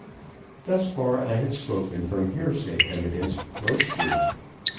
Thus far I have spoken from hearsay evidence mostly.